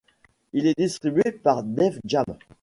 Il est distribué par Def Jam.